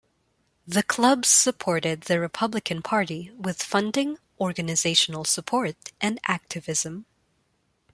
The clubs supported the Republican Party with funding, organizational support, and activism.